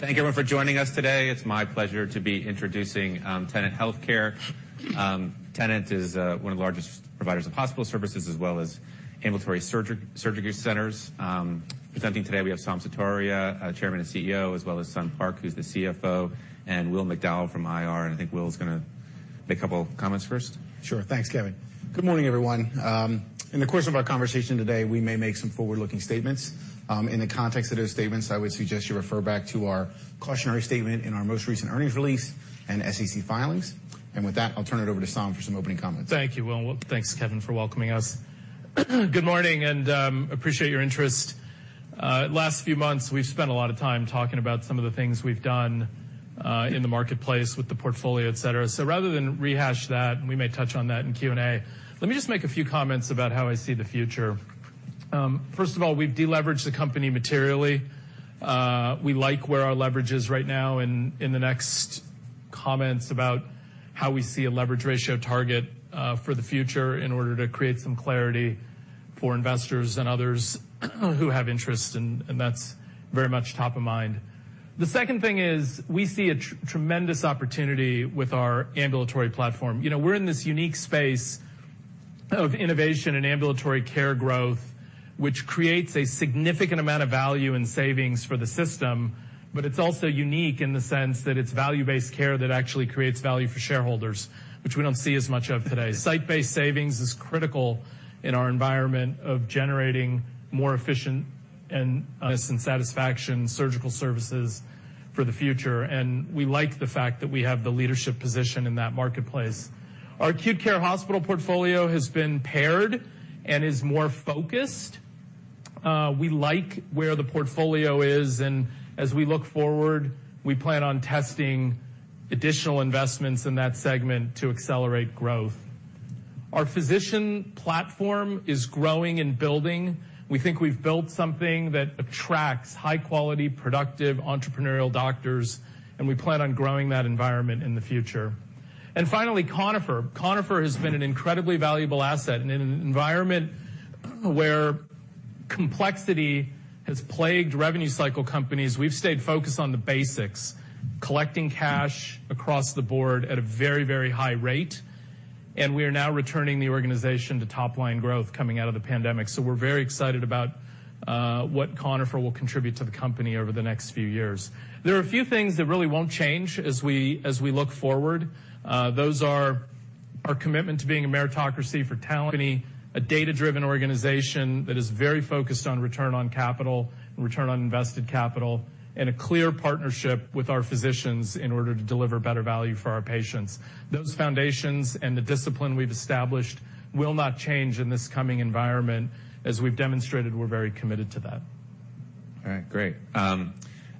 Thank you, everyone, for joining us today. It's my pleasure to be introducing Tenet Healthcare. Tenet is one of the largest providers of hospital services as well as ambulatory surgery centers. Presenting today, we have Saum Sutaria, Chairman and CEO, as well as Sun Park, who's the CFO, and Will McDowell from IR. And I think Will's gonna make a couple of comments first. Sure. Thanks, Kevin. Good morning, everyone. In the course of our conversation today, we may make some forward-looking statements. In the context of those statements, I would suggest you refer back to our cautionary statement in our most recent earnings release and SEC filings. With that, I'll turn it over to Saum for some opening comments. Thank you, Will. Thanks, Kevin, for welcoming us. Good morning, and appreciate your interest. Last few months, we've spent a lot of time talking about some of the things we've done in the marketplace with the portfolio, et cetera. So rather than rehash that, and we may touch on that in Q&A, let me just make a few comments about how I see the future. First of all, we've deleveraged the company materially. We like where our leverage is right now, and in the next comments about how we see a leverage ratio target for the future in order to create some clarity for investors and others who have interest, and that's very much top of mind. The second thing is, we see a tremendous opportunity with our ambulatory platform. You know, we're in this unique space of innovation and ambulatory care growth, which creates a significant amount of value and savings for the system, but it's also unique in the sense that it's value-based care that actually creates value for shareholders, which we don't see as much of today. Site-based savings is critical in our environment of generating more efficient and satisfying surgical services for the future, and we like the fact that we have the leadership position in that marketplace. Our acute care hospital portfolio has been pared and is more focused. We like where the portfolio is, and as we look forward, we plan on testing additional investments in that segment to accelerate growth. Our physician platform is growing and building. We think we've built something that attracts high-quality, productive, entrepreneurial doctors, and we plan on growing that environment in the future. And finally, Conifer. Conifer has been an incredibly valuable asset. In an environment where complexity has plagued revenue cycle companies, we've stayed focused on the basics, collecting cash across the board at a very, very high rate, and we are now returning the organization to top-line growth coming out of the pandemic. So we're very excited about what Conifer will contribute to the company over the next few years. There are a few things that really won't change as we look forward. Those are our commitment to being a meritocracy for talent, a data-driven organization that is very focused on return on capital, return on invested capital, and a clear partnership with our physicians in order to deliver better value for our patients. Those foundations and the discipline we've established will not change in this coming environment. As we've demonstrated, we're very committed to that. All right, great.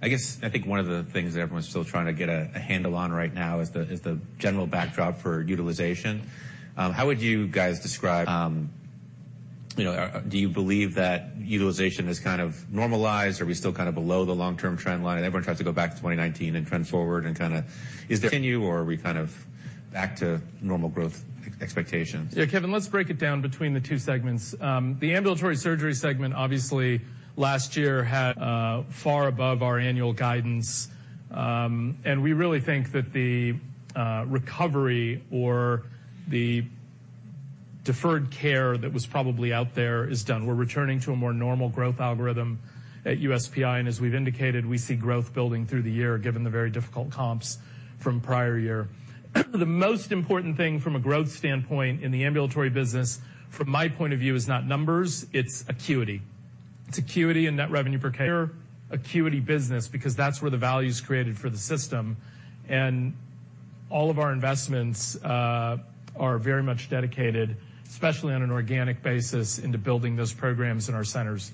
I guess I think one of the things that everyone's still trying to get a handle on right now is the general backdrop for utilization. How would you guys describe... You know, do you believe that utilization is kind of normalized? Are we still kind of below the long-term trend line? Everyone tries to go back to 2019 and trend forward and kinda, is there continue or are we kind of back to normal growth ex-expectations? Yeah, Kevin, let's break it down between the two segments. The ambulatory surgery segment, obviously, last year had far above our annual guidance. And we really think that the recovery or the deferred care that was probably out there is done. We're returning to a more normal growth algorithm at USPI, and as we've indicated, we see growth building through the year, given the very difficult comps from prior year. The most important thing from a growth standpoint in the ambulatory business, from my point of view, is not numbers, it's acuity. It's acuity and net revenue per care, acuity business, because that's where the value is created for the system. And all of our investments are very much dedicated, especially on an organic basis, into building those programs in our centers.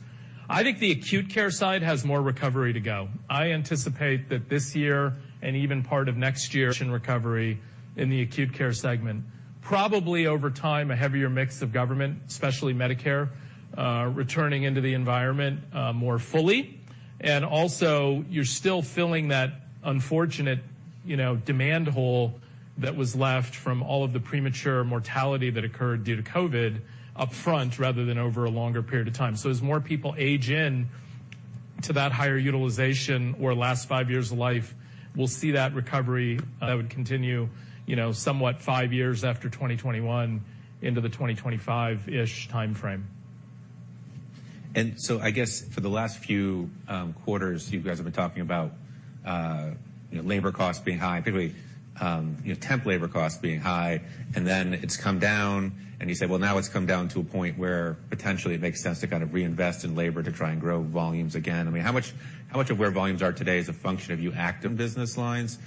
I think the acute care side has more recovery to go. I anticipate that this year and even part of next year, in recovery in the acute care segment, probably over time, a heavier mix of government, especially Medicare, returning into the environment, more fully. And also, you're still filling that unfortunate, you know, demand hole that was left from all of the premature mortality that occurred due to COVID upfront rather than over a longer period of time. So as more people age in to that higher utilization or last five years of life, we'll see that recovery, would continue, you know, somewhat five years after 2021 into the 2025-ish timeframe. And so I guess for the last few quarters, you guys have been talking about, you know, labor costs being high, particularly, temp labor costs being high, and then it's come down, and you said, well, now it's come down to a point where potentially it makes sense to kind of reinvest in labor to try and grow volumes again. I mean, how much, how much of where volumes are today is a function of you active business lines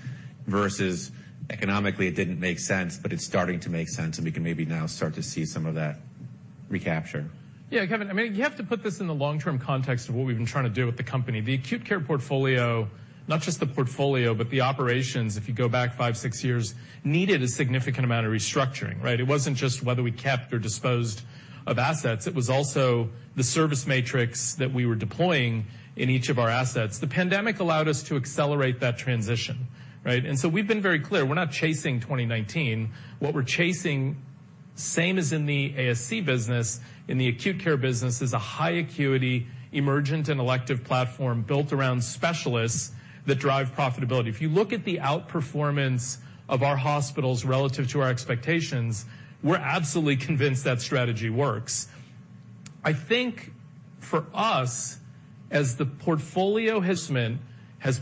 versus economically, it didn't make sense, but it's starting to make sense, and we can maybe now start to see some of that recapture? Yeah, Kevin, I mean, you have to put this in the long-term context of what we've been trying to do with the company. The acute care portfolio, not just the portfolio, but the operations, if you go back five, six years, needed a significant amount of restructuring, right? It wasn't just whether we kept or disposed of assets, it was also the service matrix that we were deploying in each of our assets. The pandemic allowed us to accelerate that transition, right? And so we've been very clear, we're not chasing 2019. What we're chasing-... same as in the ASC business, in the acute care business is a high acuity, emergent and elective platform built around specialists that drive profitability. If you look at the outperformance of our hospitals relative to our expectations, we're absolutely convinced that strategy works. I think for us, as the portfolio has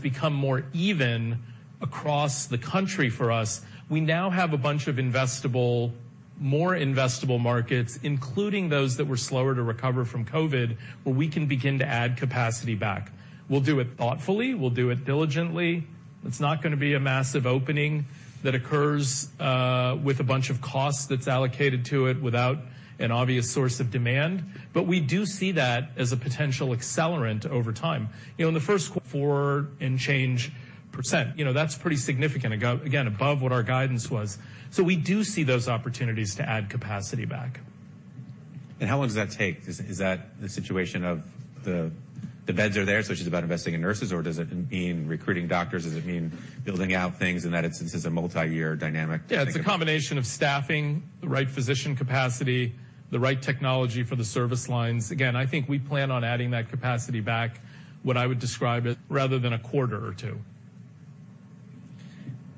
become more even across the country for us, we now have a bunch of investable, more investable markets, including those that were slower to recover from COVID, where we can begin to add capacity back. We'll do it thoughtfully. We'll do it diligently. It's not gonna be a massive opening that occurs with a bunch of costs that's allocated to it without an obvious source of demand. But we do see that as a potential accelerant over time. You know, in the first quarter, 4 and change %. You know, that's pretty significant, again, above what our guidance was. So we do see those opportunities to add capacity back. How long does that take? Is that the situation of the beds are there, so it's just about investing in nurses, or does it mean recruiting doctors? Does it mean building out things and that this is a multiyear dynamic? Yeah, it's a combination of staffing, the right physician capacity, the right technology for the service lines. Again, I think we plan on adding that capacity back, what I would describe it, rather than a quarter or two.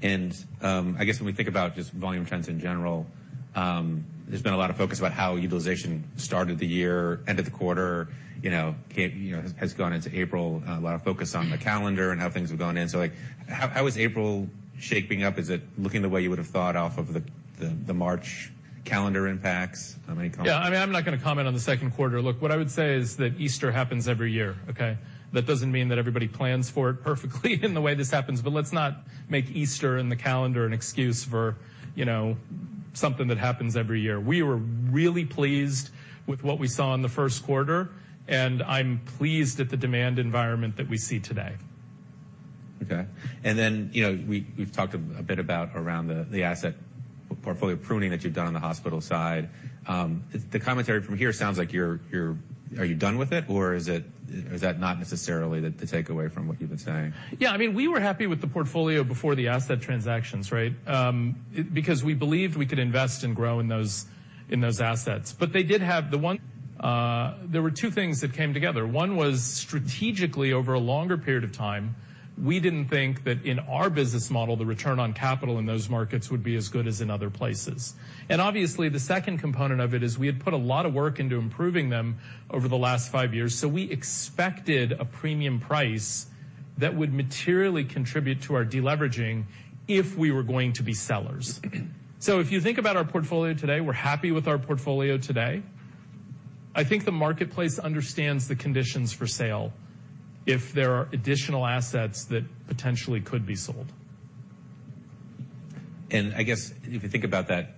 And, I guess when we think about just volume trends in general, there's been a lot of focus about how utilization started the year, end of the quarter, you know, you know, has gone into April, a lot of focus on the calendar and how things have gone in. So, like, how is April shaping up? Is it looking the way you would have thought off of the March calendar impacts? How many comments- Yeah, I mean, I'm not gonna comment on the second quarter. Look, what I would say is that Easter happens every year, okay? That doesn't mean that everybody plans for it perfectly in the way this happens, but let's not make Easter and the calendar an excuse for, you know, something that happens every year. We were really pleased with what we saw in the first quarter, and I'm pleased at the demand environment that we see today. Okay. And then, you know, we've talked a bit about around the asset portfolio pruning that you've done on the hospital side. The commentary from here sounds like you're... Are you done with it, or is it—is that not necessarily the takeaway from what you've been saying? Yeah, I mean, we were happy with the portfolio before the asset transactions, right? Because we believed we could invest and grow in those, in those assets. But they did have the one. There were two things that came together. One was strategically, over a longer period of time, we didn't think that in our business model, the return on capital in those markets would be as good as in other places. And obviously, the second component of it is we had put a lot of work into improving them over the last five years, so we expected a premium price that would materially contribute to our deleveraging if we were going to be sellers. So if you think about our portfolio today, we're happy with our portfolio today. I think the marketplace understands the conditions for sale if there are additional assets that potentially could be sold. I guess if you think about that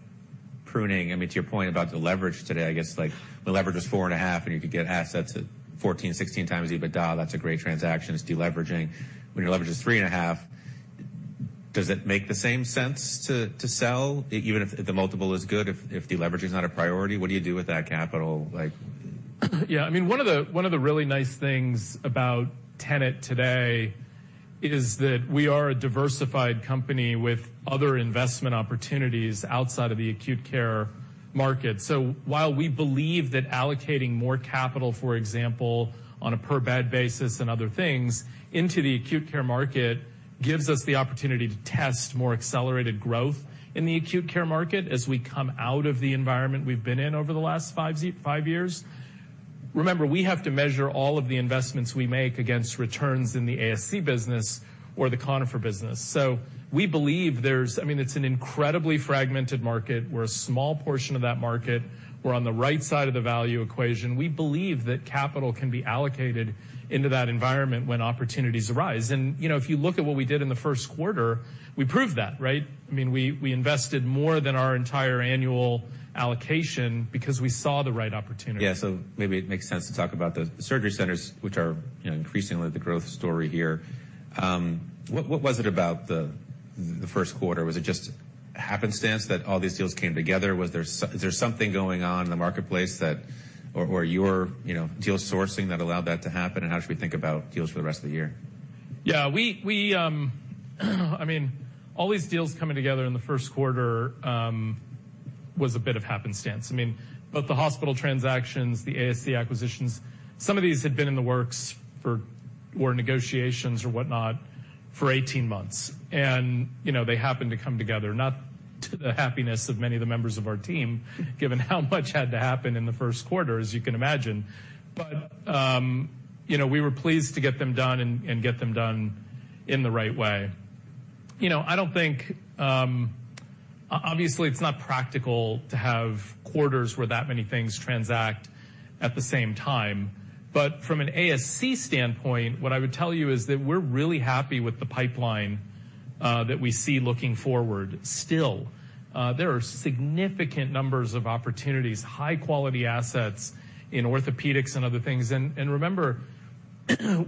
pruning, I mean, to your point about the leverage today, I guess, like, when leverage is 4.5, and you could get assets at 14x-16x EBITDA, that's a great transaction. It's deleveraging. When your leverage is 3.5, does it make the same sense to sell, even if the multiple is good, if deleveraging is not a priority, what do you do with that capital, like? Yeah, I mean, one of the, one of the really nice things about Tenet today is that we are a diversified company with other investment opportunities outside of the acute care market. So while we believe that allocating more capital, for example, on a per-bed basis and other things into the acute care market, gives us the opportunity to test more accelerated growth in the acute care market as we come out of the environment we've been in over the last five years. Remember, we have to measure all of the investments we make against returns in the ASC business or the Conifer business. So we believe there's. I mean, it's an incredibly fragmented market. We're a small portion of that market. We're on the right side of the value equation. We believe that capital can be allocated into that environment when opportunities arise. You know, if you look at what we did in the first quarter, we proved that, right? I mean, we invested more than our entire annual allocation because we saw the right opportunity. Yeah, so maybe it makes sense to talk about the surgery centers, which are, you know, increasingly the growth story here. What was it about the first quarter? Was it just happenstance that all these deals came together? Was there, is there something going on in the marketplace that, or your, you know, deal sourcing that allowed that to happen, and how should we think about deals for the rest of the year? Yeah, we, I mean, all these deals coming together in the first quarter was a bit of happenstance. I mean, both the hospital transactions, the ASC acquisitions, some of these had been in the works for, or negotiations or whatnot, for 18 months. And, you know, they happened to come together, not to the happiness of many of the members of our team, given how much had to happen in the first quarter, as you can imagine. But, you know, we were pleased to get them done and get them done in the right way. You know, I don't think... Obviously, it's not practical to have quarters where that many things transact at the same time. But from an ASC standpoint, what I would tell you is that we're really happy with the pipeline that we see looking forward. Still, there are significant numbers of opportunities, high-quality assets in orthopedics and other things. Remember,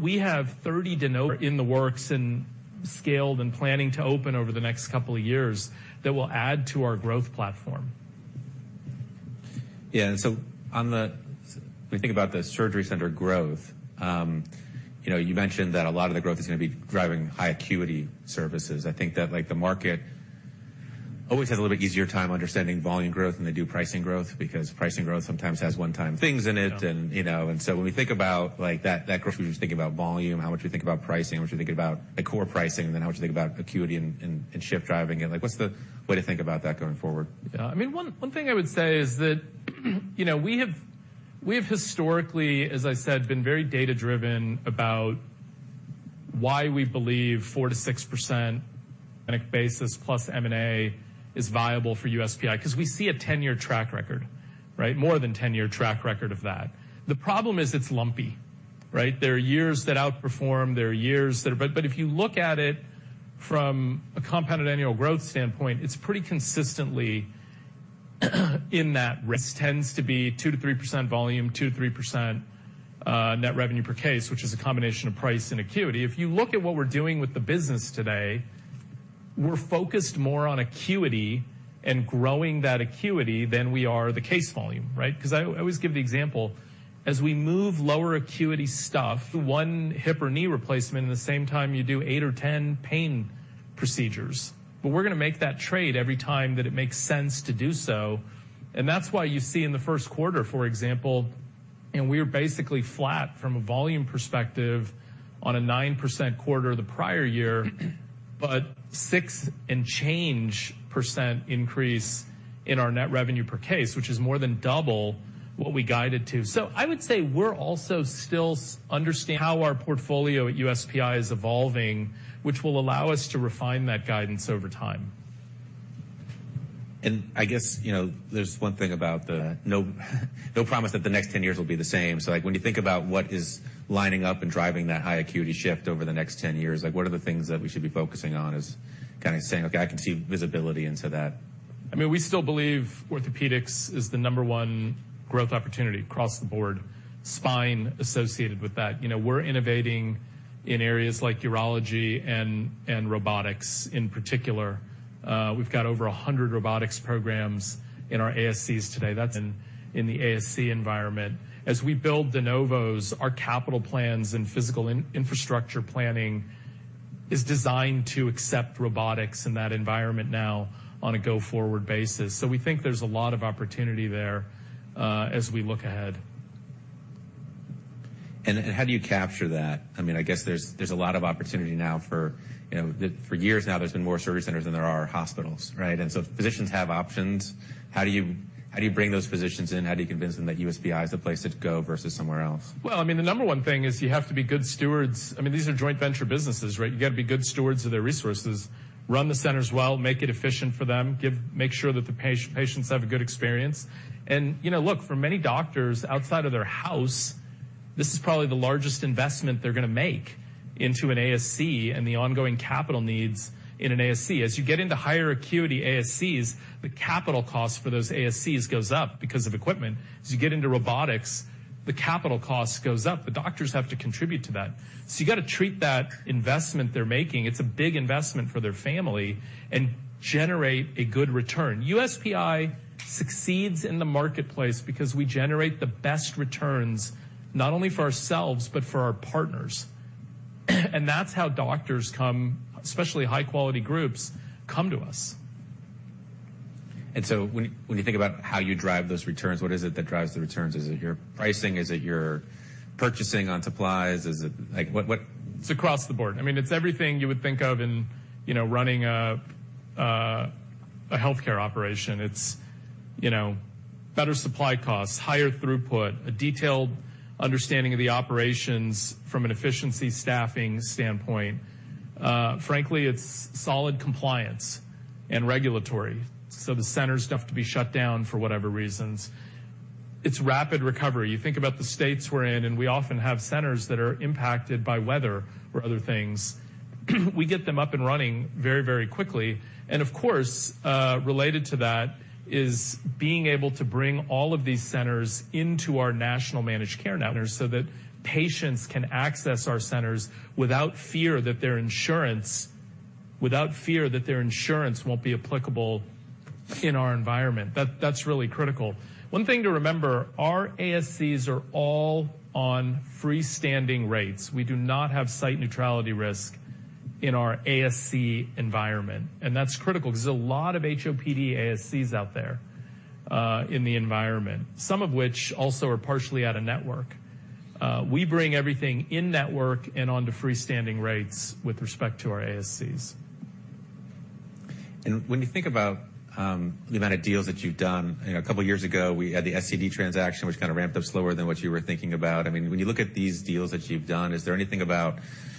we have 30 de novo in the works and scaled and planning to open over the next couple of years that will add to our growth platform.... Yeah, and so, on the when you think about the surgery center growth, you know, you mentioned that a lot of the growth is going to be driving high acuity services. I think that, like, the market always has a little bit easier time understanding volume growth than they do pricing growth, because pricing growth sometimes has one-time things in it. Yeah. You know, and so when we think about, like, that, that growth, we should think about volume, how much we think about pricing, how much we think about the core pricing, and then how much we think about acuity and, and shift driving it. Like, what's the way to think about that going forward? Yeah, I mean, one thing I would say is that, you know, we have historically, as I said, been very data-driven about why we believe 4%-6% on a basis plus M&A is viable for USPI, because we see a 10-year track record, right? More than 10-year track record of that. The problem is it's lumpy, right? There are years that outperform, there are years that... But if you look at it from a compounded annual growth standpoint, it's pretty consistently, in that risk, tends to be 2%-3% volume, 2%-3% net revenue per case, which is a combination of price and acuity. If you look at what we're doing with the business today, we're focused more on acuity and growing that acuity than we are the case volume, right? Because I always give the example, as we move lower acuity stuff, one hip or knee replacement, in the same time, you do eight or 10 pain procedures. But we're going to make that trade every time that it makes sense to do so, and that's why you see in the first quarter, for example, and we are basically flat from a volume perspective on a 9% quarter the prior year, but 6% and change increase in our net revenue per case, which is more than double what we guided to. So I would say we're also still understand how our portfolio at USPI is evolving, which will allow us to refine that guidance over time. I guess, you know, there's one thing about the no-no promise that the next 10 years will be the same. So, like, when you think about what is lining up and driving that high acuity shift over the next 10 years, like, what are the things that we should be focusing on as kind of saying, "Okay, I can see visibility into that? I mean, we still believe orthopedics is the number one growth opportunity across the board, spine associated with that. You know, we're innovating in areas like urology and robotics in particular. We've got over 100 robotics programs in our ASCs today. That's in the ASC environment. As we build de novos, our capital plans and physical infrastructure planning is designed to accept robotics in that environment now on a go-forward basis. So we think there's a lot of opportunity there, as we look ahead. And how do you capture that? I mean, I guess there's a lot of opportunity now for, you know... For years now, there's been more surgery centers than there are hospitals, right? And so physicians have options. How do you, how do you bring those physicians in? How do you convince them that USPI is the place to go versus somewhere else? Well, I mean, the number one thing is you have to be good stewards. I mean, these are joint venture businesses, right? You got to be good stewards of their resources, run the centers well, make it efficient for them, make sure that the patients have a good experience. And, you know, look, for many doctors outside of their house, this is probably the largest investment they're going to make into an ASC and the ongoing capital needs in an ASC. As you get into higher acuity ASCs, the capital cost for those ASCs goes up because of equipment. As you get into robotics, the capital cost goes up. The doctors have to contribute to that. So you got to treat that investment they're making, it's a big investment for their family, and generate a good return. USPI succeeds in the marketplace because we generate the best returns, not only for ourselves, but for our partners. And that's how doctors come, especially high-quality groups, come to us. And so when you think about how you drive those returns, what is it that drives the returns? Is it your pricing? Is it your purchasing on supplies? Is it... Like, what- It's across the board. I mean, it's everything you would think of in, you know, running a healthcare operation. It's, you know, better supply costs, higher throughput, a detailed understanding of the operations from an efficiency staffing standpoint. Frankly, it's solid compliance and regulatory, so the centers don't have to be shut down for whatever reasons. It's rapid recovery. You think about the states we're in, and we often have centers that are impacted by weather or other things. We get them up and running very, very quickly. And of course, related to that is being able to bring all of these centers into our national managed care network, so that patients can access our centers without fear that their insurance, without fear that their insurance won't be applicable in our environment. That's really critical. One thing to remember, our ASCs are all on freestanding rates. We do not have site neutrality risk in our ASC environment, and that's critical because there's a lot of HOPD ASCs out there, in the environment, some of which also are partially out-of-network. We bring everything in-network and onto freestanding rates with respect to our ASCs. When you think about the amount of deals that you've done, you know, a couple of years ago, we had the SCD transaction, which kind of ramped up slower than what you were thinking about. I mean, when you look at these deals that you've done, is there anything about physician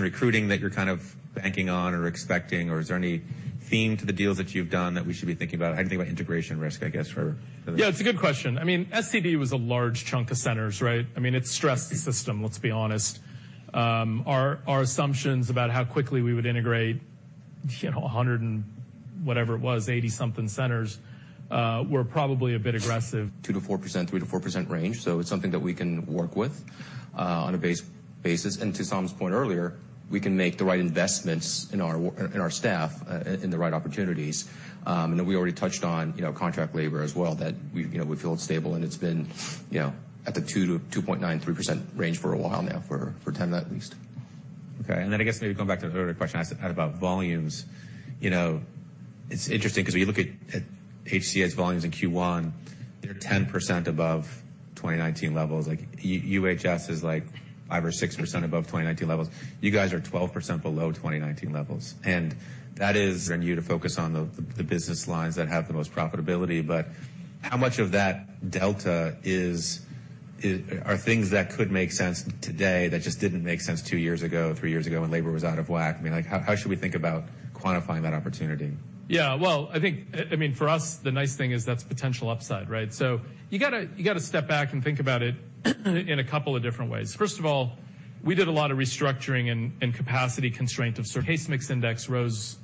recruiting that you're kind of banking on or expecting, or is there any theme to the deals that you've done that we should be thinking about? I think about integration risk, I guess, for- Yeah, it's a good question. I mean, SCD was a large chunk of centers, right? I mean, it stressed the system, let's be honest. Our assumptions about how quickly we would integrate- you know, 100 and whatever it was, 80-something centers, were probably a bit aggressive. 2%-4%, 3%-4% range. So it's something that we can work with, on a basis. And to Saum's point earlier, we can make the right investments in our staff, in the right opportunities. And we already touched on, you know, contract labor as well, that we, you know, we feel it's stable, and it's been, you know, at the 2% to 2.9%, 3% range for a while now, for 10 at least. Okay, and then I guess maybe going back to the earlier question I asked about volumes. You know, it's interesting because we look at HCA's volumes in Q1, they're 10% above 2019 levels. Like, UHS is, like, 5% or 6% above 2019 levels. You guys are 12% below 2019 levels, and that is, and due to the focus on the business lines that have the most profitability. But how much of that delta is, are things that could make sense today that just didn't make sense two years ago, three years ago, when labor was out of whack? I mean, like, how should we think about quantifying that opportunity? Yeah, well, I think, I mean, for us, the nice thing is that's potential upside, right? So you gotta, you gotta step back and think about it in a couple of different ways. First of all, we did a lot of restructuring and capacity constraint of case mix index rose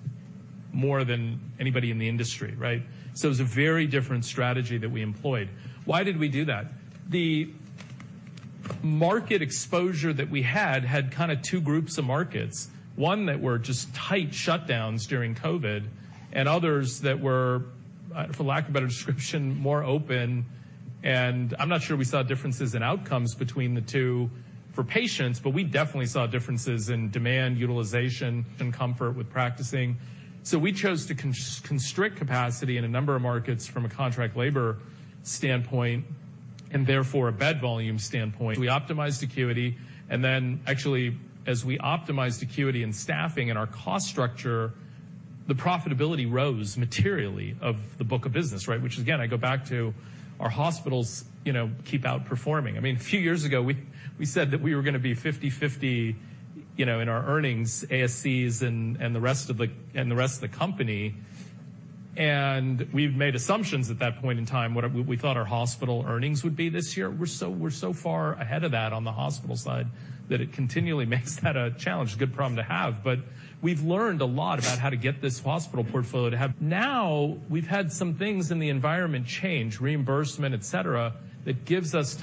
more than anybody in the industry, right? So it was a very different strategy that we employed. Why did we do that? The market exposure that we had kind of two groups of markets, one that were just tight shutdowns during COVID, and others that were, for lack of a better description, more open. And I'm not sure we saw differences in outcomes between the two for patients, but we definitely saw differences in demand, utilization, and comfort with practicing. So we chose to constrict capacity in a number of markets from a contract labor standpoint and therefore, a bed volume standpoint. We optimized acuity, and then actually, as we optimized acuity and staffing and our cost structure, the profitability rose materially of the book of business, right? Which again, I go back to our hospitals, you know, keep outperforming. I mean, a few years ago, we said that we were gonna be 50/50, you know, in our earnings, ASCs and, and the rest of the, and the rest of the company. And we've made assumptions at that point in time, what we thought our hospital earnings would be this year. We're so far ahead of that on the hospital side, that it continually makes that a challenge. A good problem to have, but we've learned a lot about how to get this hospital portfolio to have... Now, we've had some things in the environment change, reimbursement, et cetera, that gives us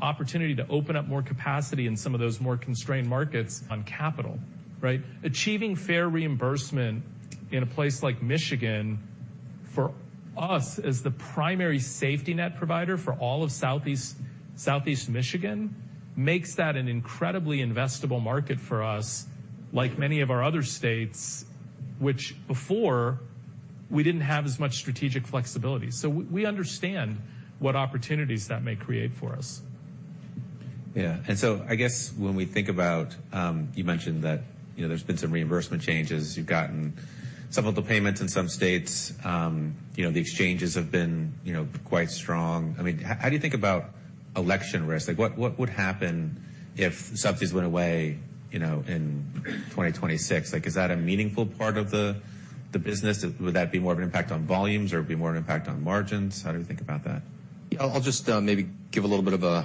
opportunity to open up more capacity in some of those more constrained markets on capital, right? Achieving fair reimbursement in a place like Michigan, for us, as the primary safety net provider for all of Southeast, Southeast Michigan, makes that an incredibly investable market for us, like many of our other states, which before we didn't have as much strategic flexibility. So we, we understand what opportunities that may create for us. Yeah. I guess when we think about, you mentioned that, you know, there's been some reimbursement changes. You've gotten some of the payments in some states, you know, the exchanges have been, you know, quite strong. I mean, how do you think about election risk? Like, what, what would happen if subsidies went away, you know, in 2026? Like, is that a meaningful part of the, the business? Would that be more of an impact on volumes or be more an impact on margins? How do we think about that? I'll just maybe give a little bit of a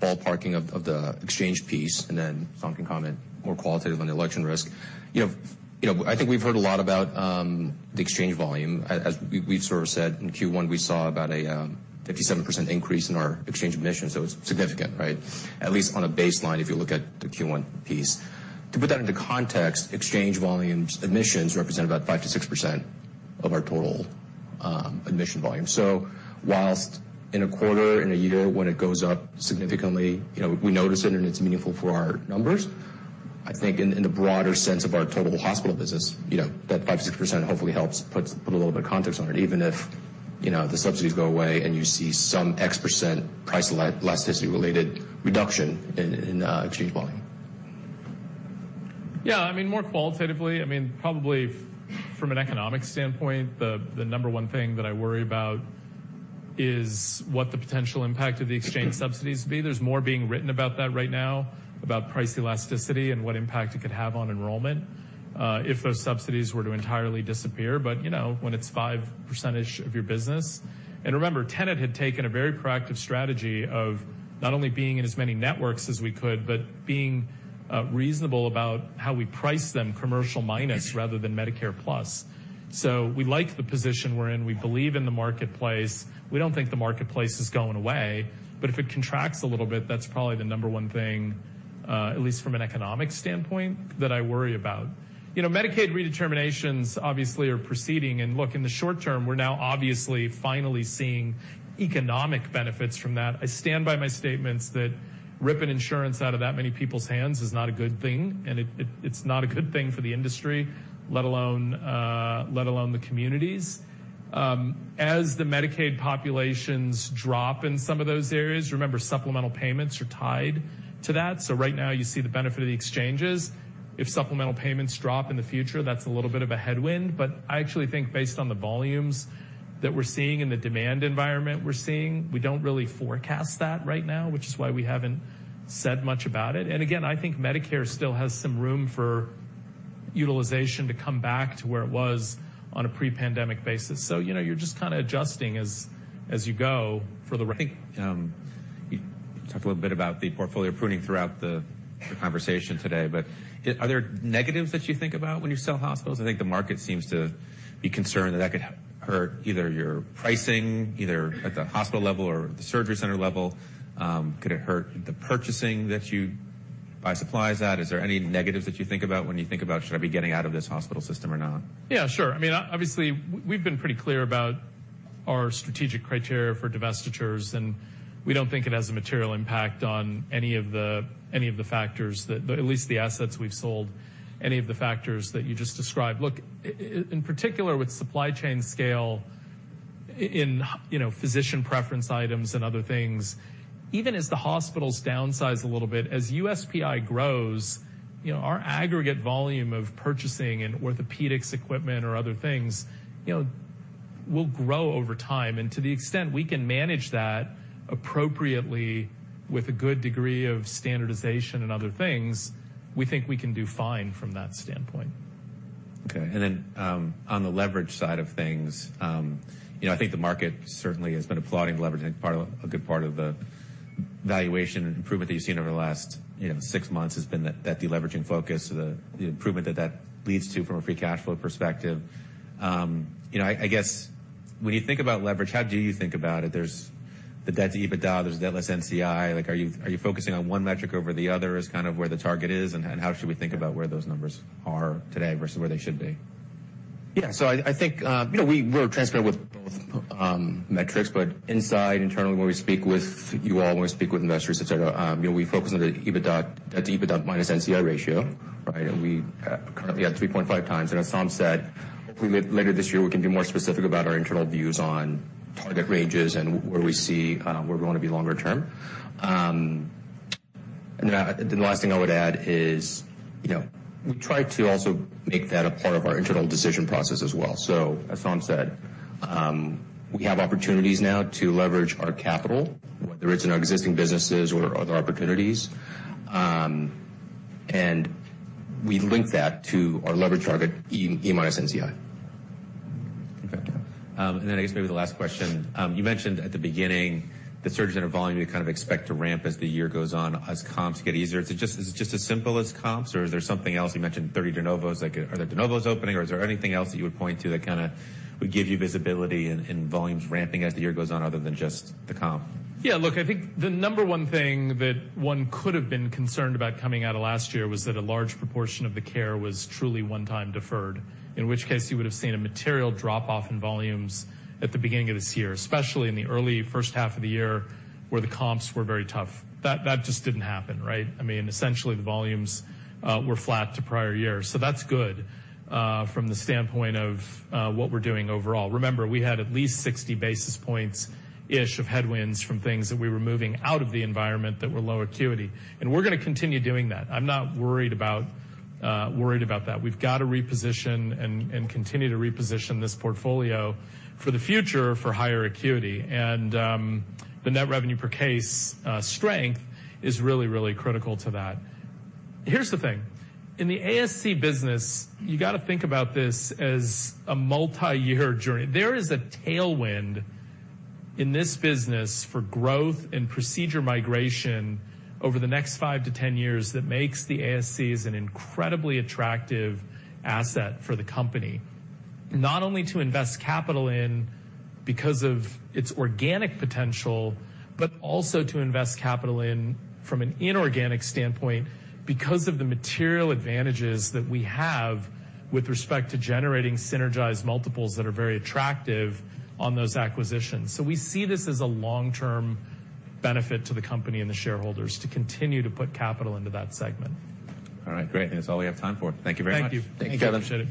ballparking of the exchange piece, and then Saum can comment more qualitatively on the election risk. You know, I think we've heard a lot about the exchange volume. As we've sort of said, in Q1, we saw about a 57% increase in our exchange admissions, so it's significant, right? At least on a baseline, if you look at the Q1 piece. To put that into context, exchange volumes, admissions represent about 5%-6% of our total admission volume. So while in a quarter, in a year, when it goes up significantly, you know, we notice it, and it's meaningful for our numbers. I think in the broader sense of our total hospital business, you know, that 5%-6% hopefully helps put a little bit of context on it, even if, you know, the subsidies go away and you see some x% price elasticity-related reduction in exchange volume. Yeah, I mean, more qualitatively, I mean, probably from an economic standpoint, the number one thing that I worry about is what the potential impact of the exchange subsidies be. There's more being written about that right now, about price elasticity and what impact it could have on enrollment, if those subsidies were to entirely disappear. But, you know, when it's 5% of your business... And remember, Tenet had taken a very proactive strategy of not only being in as many networks as we could, but being reasonable about how we price them commercial minus rather than Medicare Plus. So we like the position we're in. We believe in the marketplace. We don't think the marketplace is going away, but if it contracts a little bit, that's probably the number one thing, at least from an economic standpoint, that I worry about. You know, Medicaid redeterminations obviously are proceeding, and look, in the short term, we're now obviously finally seeing economic benefits from that. I stand by my statements that ripping insurance out of that many people's hands is not a good thing, and it, it's not a good thing for the industry, let alone the communities. As the Medicaid populations drop in some of those areas, remember, supplemental payments are tied to that. So right now, you see the benefit of the exchanges. If supplemental payments drop in the future, that's a little bit of a headwind, but I actually think based on the volumes that we're seeing and the demand environment we're seeing, we don't really forecast that right now, which is why we haven't said much about it. And again, I think Medicare still has some room for utilization to come back to where it was on a pre-pandemic basis. So, you know, you're just kind of adjusting as you go for the ride. We talked a little bit about the portfolio pruning throughout the conversation today, but are there negatives that you think about when you sell hospitals? I think the market seems to be concerned that that could hurt either your pricing, either at the hospital level or the surgery center level. Could it hurt the purchasing that you buy supplies at? Is there any negatives that you think about when you think about, "Should I be getting out of this hospital system or not? Yeah, sure. I mean, obviously, we've been pretty clear about our strategic criteria for divestitures, and we don't think it has a material impact on any of the, any of the factors that, at least the assets we've sold, any of the factors that you just described. Look, in particular, with supply chain scale, in, you know, physician preference items and other things, even as the hospitals downsize a little bit, as USPI grows, you know, our aggregate volume of purchasing and orthopedics equipment or other things, you know, will grow over time. And to the extent we can manage that appropriately with a good degree of standardization and other things, we think we can do fine from that standpoint. Okay. And then, on the leverage side of things, you know, I think the market certainly has been applauding leverage. I think part of- a good part of the valuation improvement that you've seen over the last, you know, six months has been that, that deleveraging focus, the improvement that that leads to from a free cash flow perspective. You know, I, I guess, when you think about leverage, how do you think about it? There's the debt to EBITDA, there's debt less NCI. Like, are you, are you focusing on one metric over the other as kind of where the target is, and how should we think about where those numbers are today versus where they should be? Yeah, so I think, you know, we're transparent with both metrics, but inside, internally, when we speak with you all, when we speak with investors, et cetera, you know, we focus on the EBITDA, the EBITDA minus NCI ratio, right? And we currently at 3.5x. And as Saum said, hopefully, later this year, we can be more specific about our internal views on target ranges and where we see, where we want to be longer term. And the last thing I would add is, you know, we try to also make that a part of our internal decision process as well. So as Saum said, we have opportunities now to leverage our capital, whether it's in our existing businesses or other opportunities. And we link that to our leverage target, E minus NCI. Okay. And then I guess maybe the last question. You mentioned at the beginning, the surgery center volume, you kind of expect to ramp as the year goes on, as comps get easier. Is it just as simple as comps, or is there something else? You mentioned 30 de novos. Like, are there de novos opening, or is there anything else that you would point to that kind of would give you visibility in, in volumes ramping as the year goes on other than just the comp? Yeah, look, I think the number one thing that one could have been concerned about coming out of last year was that a large proportion of the care was truly one-time deferred, in which case you would have seen a material drop-off in volumes at the beginning of this year, especially in the early first half of the year, where the comps were very tough. That just didn't happen, right? I mean, essentially, the volumes were flat to prior years. So that's good from the standpoint of what we're doing overall. Remember, we had at least 60 basis points-ish of headwinds from things that we were moving out of the environment that were low acuity, and we're going to continue doing that. I'm not worried about that. We've got to reposition and continue to reposition this portfolio for the future, for higher acuity. And the net revenue per case strength is really, really critical to that. Here's the thing: in the ASC business, you got to think about this as a multiyear journey. There is a tailwind in this business for growth and procedure migration over the next 5-10 years that makes the ASCs an incredibly attractive asset for the company, not only to invest capital in because of its organic potential, but also to invest capital in from an inorganic standpoint because of the material advantages that we have with respect to generating synergized multiples that are very attractive on those acquisitions. So we see this as a long-term benefit to the company and the shareholders to continue to put capital into that segment. All right, great. That's all we have time for. Thank you very much. Thank you. Thank you, Kevin. Appreciate it.